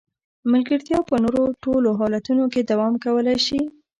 ملګرتیا په نورو ټولو حالتونو کې دوام کولای شي.